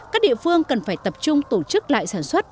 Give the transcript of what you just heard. các địa phương cần phải tập trung tổ chức lại sản xuất